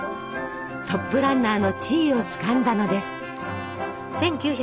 トップランナーの地位をつかんだのです。